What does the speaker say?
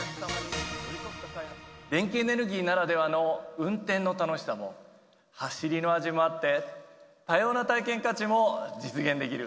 電気エネルギーならではの運転の楽しさも走りの味もあって、多様な体験価値も実現できる。